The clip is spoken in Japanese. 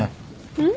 うん？